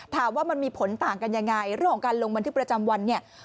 ถามว่ามันมีผลต่างกันยังไงเรื่องของการลงบันทึกประจำวันเนี่ย